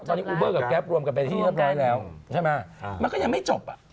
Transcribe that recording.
ตอนนี้อูเบอร์กับแก๊ปรวมกันไปที่เรียบร้อยแล้วใช่ไหมมันก็ยังไม่จบอ่ะ